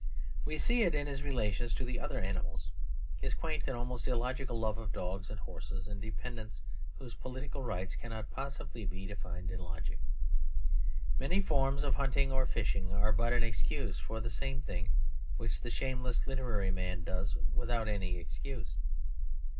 We see it in his relations to the other animals; his quaint and almost illogical love of dogs and horses and dependants whose political rights cannot possibly be defined in logic. Many forms of hunting or fishing are but an excuse for the same thing which the shameless literary man does without any excuse.